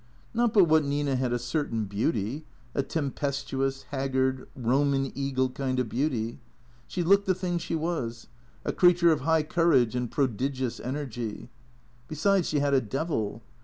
Not but what Nina had a certain beauty, a tempestuous, haggard, Eoman eagle kind of beauty. She looked the thing she was, a creature of high courage and prodigious energy. Besides, she had a devil.